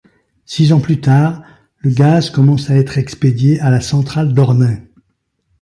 Six ans plus tard, le gaz commence à être expédié à la centrale d'Hornaing.